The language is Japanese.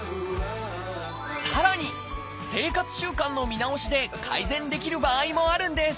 さらに生活習慣の見直しで改善できる場合もあるんです。